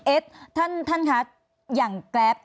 เอ๊ะท่านค่ะอย่างแก๊บ